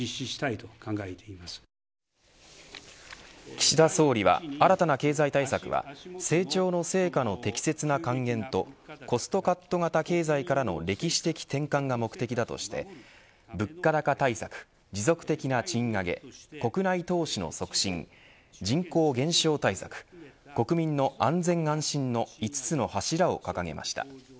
岸田総理は、新たな経済対策は成長の成果の適切な還元とコストカット型経済からの歴史的転換が目的だとして物価高対策、持続的な賃上げ国内投資の促進人口減少対策国民の安全安心の５つの柱を掲げました。